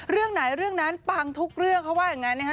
เรื่องไหนเรื่องนั้นปังทุกเรื่องเขาว่าอย่างนั้นนะฮะ